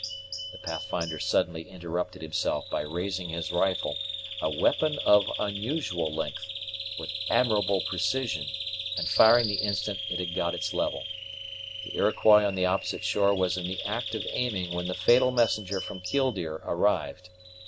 The Pathfinder suddenly interrupted himself by raising his rifle, a weapon of unusual length, with admirable precision, and firing the instant it had got its level. The Iroquois on the opposite shore was in the act of aiming when the fatal messenger from Killdeer arrived.